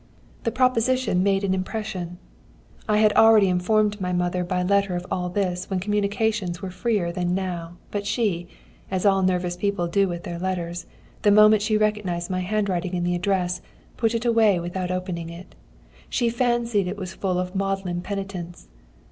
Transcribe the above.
"This proposition made an impression. "I had already informed my mother by letter of all this when communications were freer than now, but she, as all nervous people do with their letters, the moment she recognised my handwriting in the address, put it away without opening it. She fancied it was full of maudlin penitence.